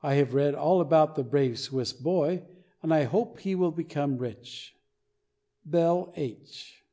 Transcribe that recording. I have read all about the "Brave Swiss Boy," and I hope he will become rich. BELL H.